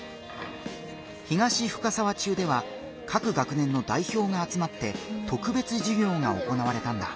東深沢中では各学年の代表があつまって特別授業が行われたんだ。